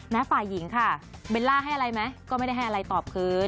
ฝ่ายหญิงค่ะเบลล่าให้อะไรไหมก็ไม่ได้ให้อะไรตอบคืน